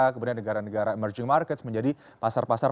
kemudian negara negara emerging markets menjadi pasar pasar